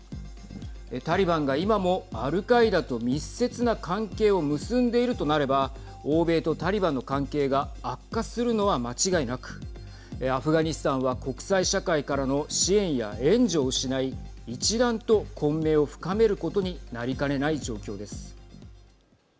タリバンが今もアルカイダと密接な関係を結んでいるとなれば欧米とタリバンの関係が悪化するのは間違いなくアフガニスタンは国際社会からの支援や援助を失い一段と混迷を深めることになりかねない状況です。